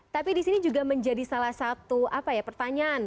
tapi disini juga menjadi salah satu pertanyaan